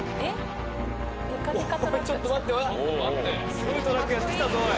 すごいトラックやって来たぞおい。